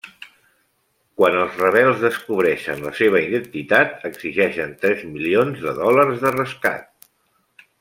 Quan els rebels descobreixen la seva identitat exigeixen tres milions de dòlars de rescat.